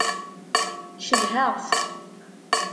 Cedhaɣ-t.